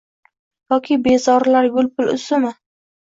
Yoki bezorilar gul-pul uzdimi?